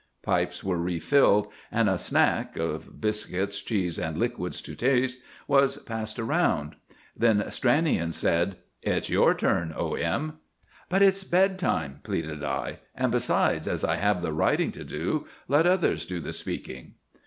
Pipes were refilled, and a "snack" (of biscuits, cheese, and liquids to taste) was passed around. Then Stranion said,— "It's your turn, O. M." "But it's bedtime," pleaded I; "and besides, as I have the writing to do, let others do the speaking!"